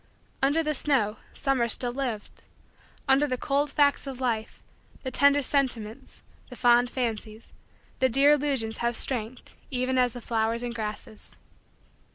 Under the snow, summer still lived. Under the cold facts of Life, the tender sentiments, the fond fancies, the dear illusions have strength even as the flowers and grasses.